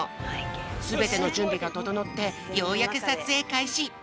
すべてのじゅんびがととのってようやくさつえいかいし。